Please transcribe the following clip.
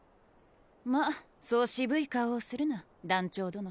まっそう渋い顔をするな団長殿。